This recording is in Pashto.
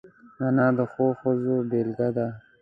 انا د ښو ښځو بېلګه ده